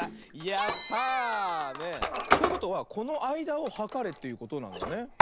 やった！ということはこのあいだをはかれということなんだね。